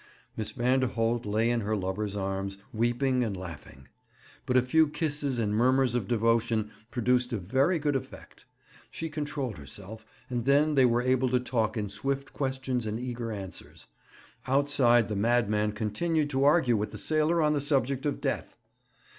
Miss Vanderholt lay in her lover's arms, weeping and laughing; but a few kisses and murmurs of devotion produced a very good effect. She controlled herself, and then they were able to talk in swift questions and eager answers. Outside the madman continued to argue with the sailor on the subject of death.